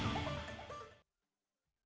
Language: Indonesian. cnn indonesia prime news segera kembali